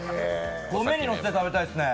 米にのせて食べたいですね。